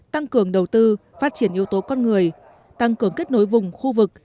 tăng cường đầu tư phát triển yếu tố con người tăng cường kết nối vùng khu vực